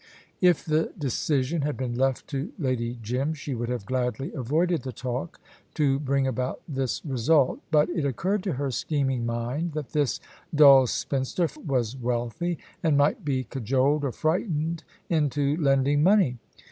If the decision had been left to Lady Jim, she would have gladly avoided the talk, to bring about this result. But it occurred to her scheming mind that this dull spinster was wealthy, and might be cajoled or frightened into lending money.